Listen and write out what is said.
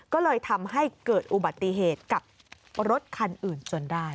ก็เลยทำให้เกิดอุบัติเหตุกับรถคันอื่นจนได้